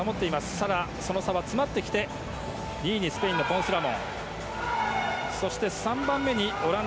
ただ、その差は詰まってきて２位スペイン、ポンス・ラモン。